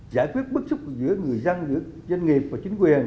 giải quyết bức xúc giữa người dân giữa doanh nghiệp và chính quyền